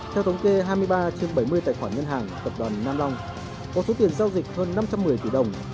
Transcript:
theo thống kê hai mươi ba trên bảy mươi tài khoản ngân hàng tập đoàn nam long có số tiền giao dịch hơn năm trăm một mươi tỷ đồng